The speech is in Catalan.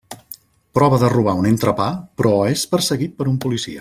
Prova de robar un entrepà però és perseguit per un policia.